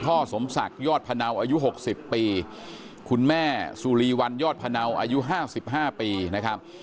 สมศักดิ์ยอดพะเนาอายุ๖๐ปีคุณแม่สุรีวันยอดพะเนาอายุ๕๕ปีนะครับ